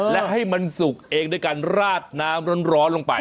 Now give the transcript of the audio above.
และให้มันสุกเองด้วยการราดน้ำร้อนลงไป